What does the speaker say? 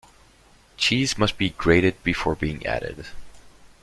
Cheese must be grated before being added.